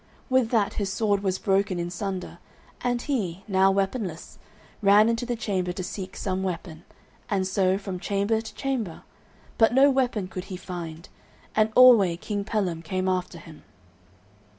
With that his sword was broken in sunder, and he, now weaponless, ran into the chamber to seek some weapon, and so, from chamber to chamber, but no weapon could he find, and alway King Pellam came after him.